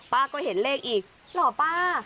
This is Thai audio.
ป้าก็เห็นเลขอีกหรอป้า